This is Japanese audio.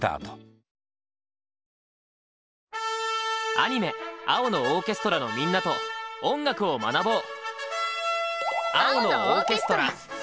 アニメ「青のオーケストラ」のみんなと音楽を学ぼう！